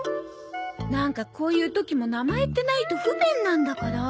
なんかこういう時も名前ってないと不便なんだから。